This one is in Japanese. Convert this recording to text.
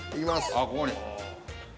あっここに。